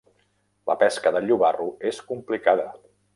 La pesca del llobarro és complicada.